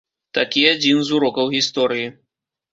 Такі адзін з урокаў гісторыі.